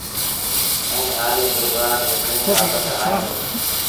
ائيٚݩ هآريٚ با گُوآر وڪڻي وآپس آئي دو